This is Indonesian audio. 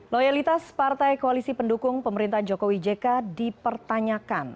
loyalitas partai koalisi pendukung pemerintahan jokowi jk dipertanyakan